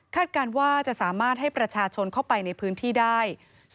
การว่าจะสามารถให้ประชาชนเข้าไปในพื้นที่ได้